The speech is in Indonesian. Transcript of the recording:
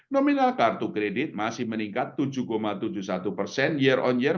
nominal kartu kredit masih meningkat tujuh tujuh puluh satu persen year on year